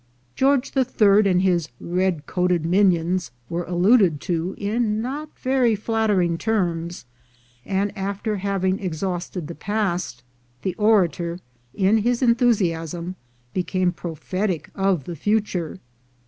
George the Third and his "red coated minions" were alluded to in not very flattering terms; and after having exhausted the past, the orator, in his enthusiasm, became prophetic of the future.